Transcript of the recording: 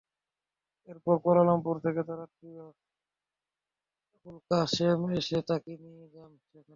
এরপর কুয়ালালামপুর থেকে তাঁর আত্মীয় আবুল কাশেম এসে তাঁকে নিয়ে যান সেখানে।